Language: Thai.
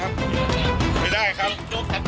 ไม่ได้ครับ